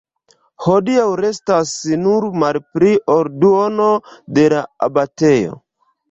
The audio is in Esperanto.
Hodiaŭ restas nur malpli ol duono de la abatejo.